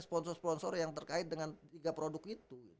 sponsor sponsor yang terkait dengan tiga produk itu